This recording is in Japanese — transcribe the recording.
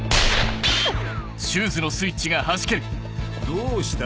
どうした？